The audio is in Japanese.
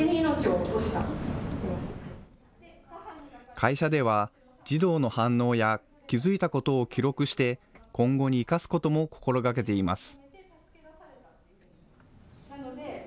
会社では、児童の反応や気付いたことを記録して、今後に生かすことも心がけています。